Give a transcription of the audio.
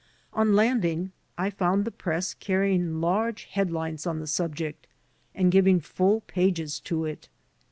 On landing I found the press carrying large headlines on the subject and giving full pages to it.